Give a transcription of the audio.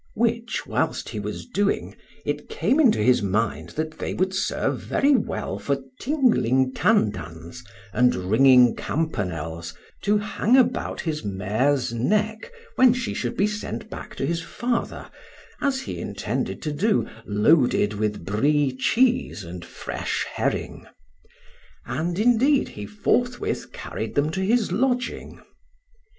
Which whilst he was doing, it came into his mind that they would serve very well for tingling tantans and ringing campanels to hang about his mare's neck when she should be sent back to his father, as he intended to do, loaded with Brie cheese and fresh herring. And indeed he forthwith carried them to his lodging.